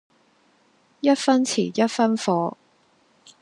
一分錢一分貨